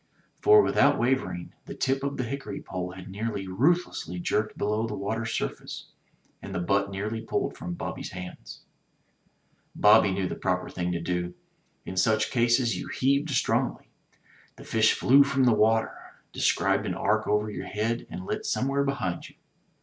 For, without wavering, the tip of the hickory pole had been ruthlessly jerked below the water's surface, and the butt nearly pulled from Bobby*s hands. 138 THE TREASURE CHEST Bobby knew the proper thing to do. In such cases you heaved strongly. The fish flew from the water, described an arc over your head, and lit somewhere behind you.